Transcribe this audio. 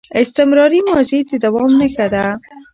استمراري ماضي د دوام نخښه ده.